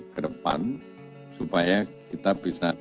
kedua indeks ekspektasi aktivitas bisnis atau ieab